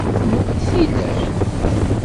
N wi-t-ilan?